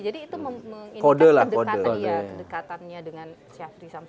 jadi itu mengingatkan kedekatannya dengan syafri samsyuti